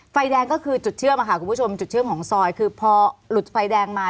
ไฟแดงก็คือจุดเชื่อมค่ะคุณผู้ชมจุดเชื่อมของซอยคือพอหลุดไฟแดงมา